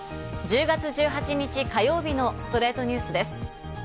１０月１８日、火曜日の『ストレイトニュース』です。